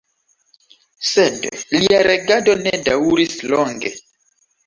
Sed lia regado ne daŭris longe.